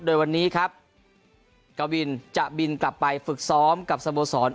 โดยวันนี้ครับกวินจะบินกลับไปฝึกซ้อมกับสโมสร